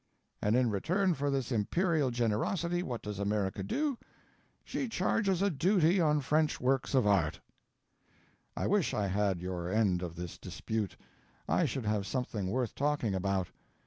And in return for this imperial generosity, what does America do? She charges a duty on French works of art! I wish I had your end of this dispute; I should have something worth talking about.